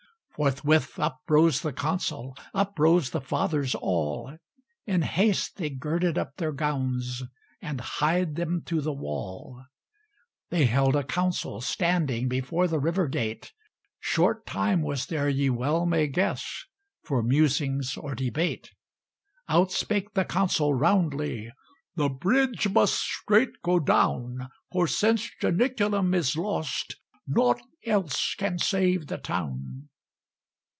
Forthwith up rose the Consul, Up rose the Fathers all; In haste they girded up their gowns, And hied them to the wall. They held a council standing Before the River Gate; Short time was there, ye well may guess, For musing or debate. Out spake the Consul roundly: "The bridge must straight go down; For, since Janiculum is lost, Nought else can save the town."